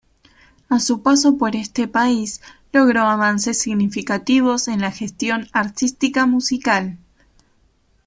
A su paso por este país logró avances significativos en la gestión artística musical.